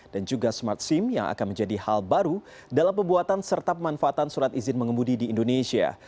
dan juga smart sim yang akan menjadi hal baru dalam pembuatan serta pemanfaatan surat izin mengemudi di indonesia